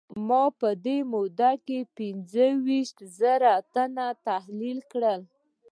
ما په دې موده کې پينځه ويشت زره تنه تحليل کړل.